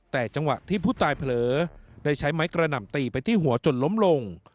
แต่จังหวะที่ผู้ตายเผลอได้ใช้ไม้กระหน่ำตีไปที่หัวจนล้มลง